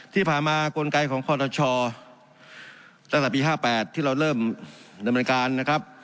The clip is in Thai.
ที่ผ่านมากลไกของคอทชตั้งแต่ปี๕๘ที่เราเริ่มดำเนินการนะครับ